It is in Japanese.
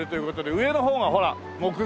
上の方がほら木材。